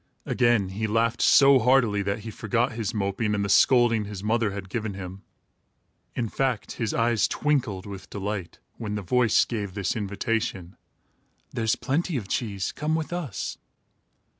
Again, he laughed so heartily, that he forgot his moping and the scolding his mother had given him. In fact, his eyes twinkled with delight, when the voice gave this invitation: "There's plenty of cheese. Come with us."